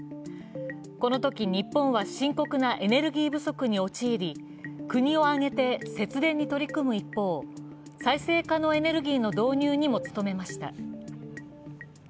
このとき日本は深刻なエネルギー不足に陥り国を挙げて節電に取り組む一方、再生可能エネルギーの導入にも努めました。